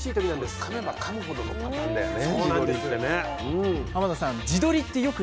このかめばかむほどのパターンだよね地鶏ってね。